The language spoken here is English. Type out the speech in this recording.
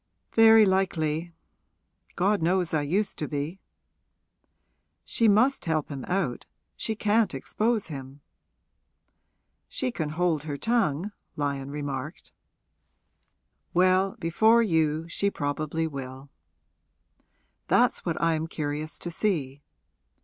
'Very likely. God knows I used to be!' 'She must help him out she can't expose him.' 'She can hold her tongue,' Lyon remarked. 'Well, before you probably she will.' 'That's what I am curious to see.'